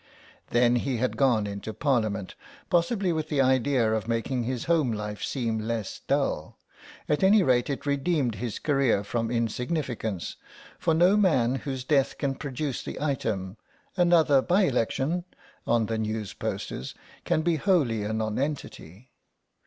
Then he had gone into Parliament, possibly with the idea of making his home life seem less dull; at any rate it redeemed his career from insignificance, for no man whose death can produce the item "another by election" on the news posters can be wholly a nonentity.